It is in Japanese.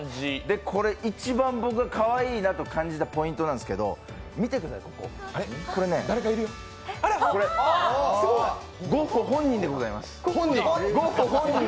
一番僕がかわいいなと感じたポイントなんですけど、見てください、ここ、これね、すごいゴッホ本人でございます。